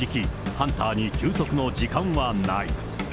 ハンターに休息の時間はない。